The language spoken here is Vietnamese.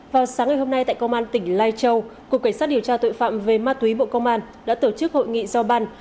vào sáng ngày hôm nay tại công an tỉnh lai châu cục cảnh sát điều tra tội phạm về ma túy bộ công an đã tổ chức hội nghị giao ban